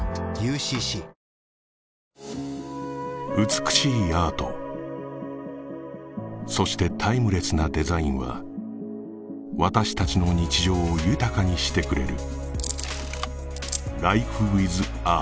美しいアートそしてタイムレスなデザインは私達の日常を豊かにしてくれる